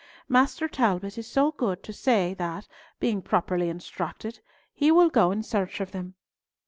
"Master Talbot is so good as to say that, being properly instructed, he will go in search of them."